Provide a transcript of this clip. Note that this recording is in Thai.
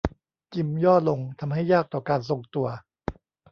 จิมย่อลงทำให้ยากต่อการทรงตัว